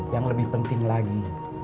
yang lebih penting lagi